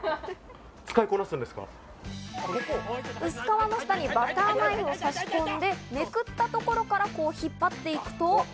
薄皮の下にバターナイフを差し込んで、めくったところからこう引っ張っていくと。